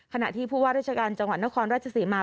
ขณะที่ผู้ว่าราชการจังหวัดนครราชศรีมา